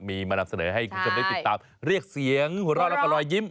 มีมานำเสนอให้คุณผู้ชมได้ติดตามเรียกเสียงหัวเราะแล้วก็รอยยิ้ม